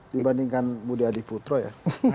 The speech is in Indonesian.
dibandingkan budi adiputro ya